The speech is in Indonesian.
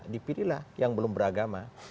dipilihlah yang belum beragama